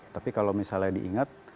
tapi kalau misalnya diingat